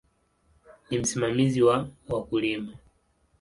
Ni msimamizi wa wakulima.